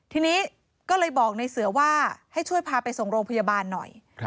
ทีนี้ก็เลยบอกในเสือว่าให้ช่วยพาไปส่งโรงพยาบาลหน่อย